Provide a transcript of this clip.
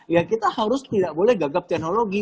ya kita harus tidak boleh gagap teknologi